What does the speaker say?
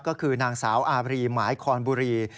ก็คือนางสาวอารีหมายคอนบุรี